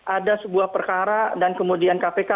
ada sebuah perkara dan kemudian kpk